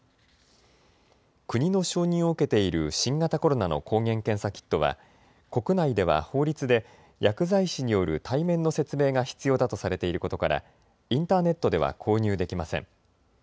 国の承認を受けている新型コロナの抗原検査キットは国内では法律で薬剤師による対面の説明が必要だとされていることからインターネットでは購入できません。